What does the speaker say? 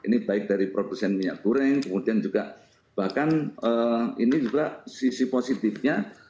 ini baik dari produsen minyak goreng kemudian juga bahkan ini juga sisi positifnya